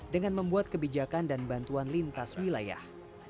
dengan membuat kebijakan dan bantuan lintas wilayah